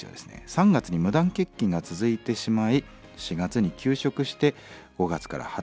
「３月に無断欠勤が続いてしまい４月に休職して５月から働き始めるところでした。